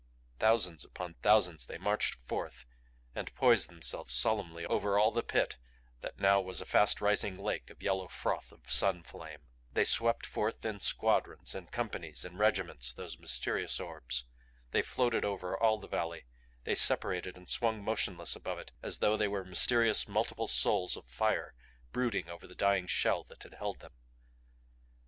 Thousands upon thousands they marched forth and poised themselves solemnly over all the Pit that now was a fast rising lake of yellow froth of sun flame. They swept forth in squadrons, in companies, in regiments, those mysterious orbs. They floated over all the valley; they separated and swung motionless above it as though they were mysterious multiple souls of fire brooding over the dying shell that had held them.